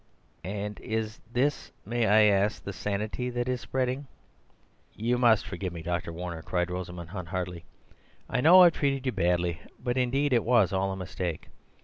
"And is THIS, may I ask," he said, "the sanity that is spreading?" "You must forgive me, Dr. Warner," cried Rosamund Hunt heartily. "I know I've treated you badly; but indeed it was all a mistake.